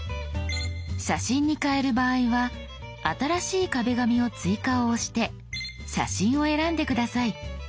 写真に変える場合は「新しい壁紙を追加」を押して「写真」を選んで下さい。